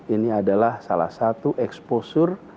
ini adalah salah satu exposur